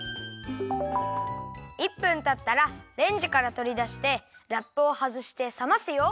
１分たったらレンジからとりだしてラップをはずしてさますよ。